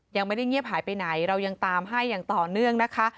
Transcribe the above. ยังไม่ได้เงียบหายไปไหนเรายังตามให้อย่างต่อเนื่องนะคะ